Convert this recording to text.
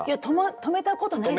止めたことないです。